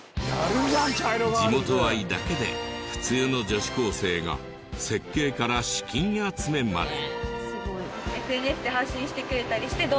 地元愛だけで普通の女子高生が設計から資金集めまで。